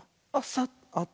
あっ。